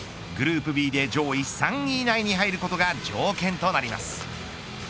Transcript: グループＢで上位３位以内に入ることが条件となります。